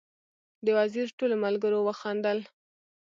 د وزیر ټولو ملګرو وخندل.